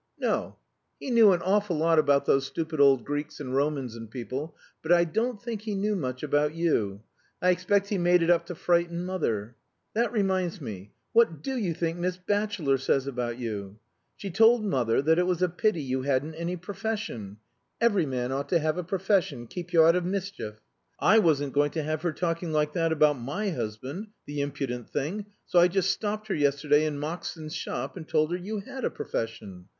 "No. He knew an awful lot about those stupid old Greeks and Romans and people, but I don't think he knew much about you. I expect he made it up to frighten mother. That reminds me, what do you think Miss Batchelor says about you? She told mother that it was a pity you hadn't any profession every man ought to have a profession keep you out of mischief. I wasn't going to have her talking like that about my husband the impudent thing! so I just stopped her yesterday in Moxon's shop and told her you had a profession.